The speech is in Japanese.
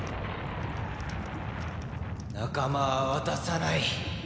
仲間は渡さない！